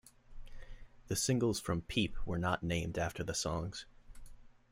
The singles from "Peep" were not named after the songs.